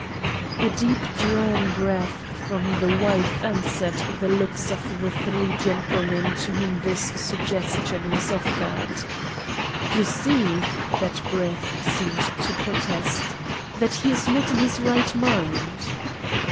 A deep drawn breath from the wife answered the looks of the three gentlemen to whom this suggestion was offered. "You see," that breath seemed to protest, "that he is not in his right mind."